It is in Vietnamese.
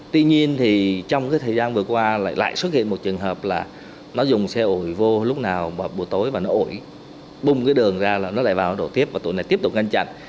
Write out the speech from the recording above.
tuy nhiên thì trong cái thời gian vừa qua lại lại xuất hiện một trường hợp là nó dùng xe ổi vô lúc nào và buổi tối và nó ủi bung cái đường ra là nó lại vào đổ tiếp và tổ này tiếp tục ngăn chặn